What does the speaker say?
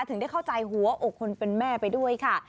ถึงได้เข้าใจหัวอกคนเป็นแม่ไปด้วยค่ะ